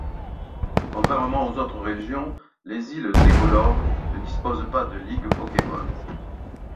Contrairement aux autres régions, les Îles Décolores ne disposent pas de ligue Pokémon.